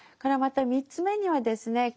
また３つ目にはですね